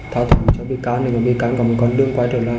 thao thủ cho bị cán thì bị cán có một con đường quay trở lại